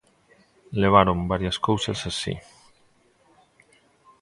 Levaron varias cousas así.